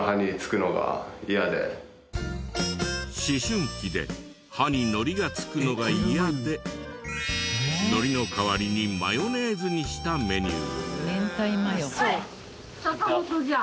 思春期で歯にのりがつくのが嫌でのりの代わりにマヨネーズにしたメニュー。